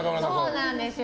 そうなんですよ。